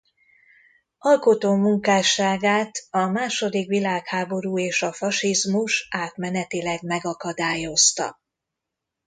Alkotó munkásságát a második világháború és a fasizmus átmenetileg megakadályozta.